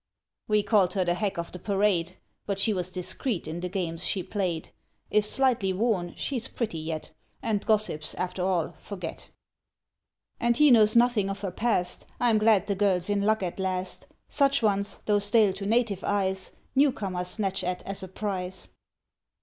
"We called her the Hack of the Parade; But she was discreet in the games she played; If slightly worn, she's pretty yet, And gossips, after all, forget. "And he knows nothing of her past; I am glad the girl's in luck at last; Such ones, though stale to native eyes, Newcomers snatch at as a prize."